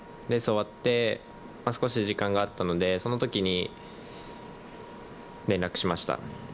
レースが終わって少し時間があったのでその時に連絡しました。